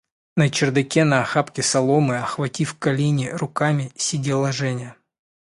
На чердаке на охапке соломы, охватив колени руками, сидела Женя.